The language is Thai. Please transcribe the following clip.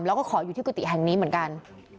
แล้วก็ขออยู่ที่กุฏิแห่งนี้เหมือนกัน